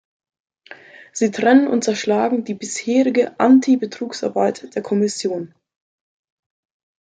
Sie trennen und zerschlagen die bisherige Anti-Betrugsarbeit der Kommission.